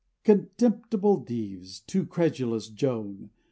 Contemptible Dives!—too credulous Joan!